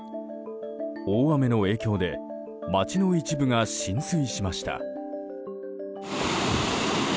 大雨の影響で街の一部が浸水しました。